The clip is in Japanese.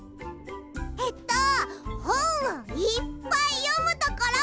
えっとほんをいっぱいよむところ！